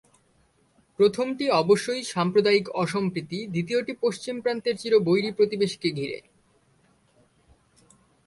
প্রথমটি অবশ্যই সাম্প্রদায়িক অসম্প্রীতি, দ্বিতীয়টি পশ্চিম প্রান্তের চির বৈরী প্রতিবেশীকে ঘিরে।